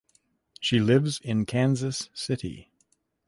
She lives in Kansas City.